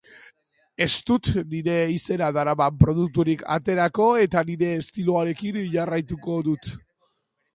Ez dut nire izena daraman produkturik aterako eta nire estiloarekin jarraituko dut.